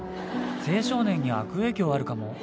青少年に悪影響あるかも。